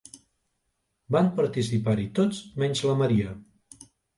Van participar-hi tots menys la Maria.